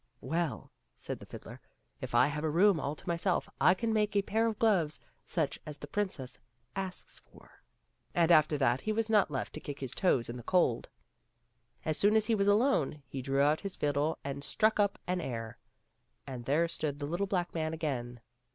" Well," said the fiddler, " if I have a room all to myself, I can make a pair of gloves such as the princess asks for." And after that he was not left to kick his toes in the cold. As soon as he was alone, he drew out his fiddle and struck up an air, and there stood the little black man again.